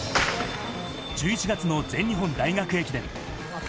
１１月の全日本大学駅伝。